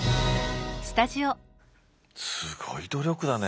すごい努力だね。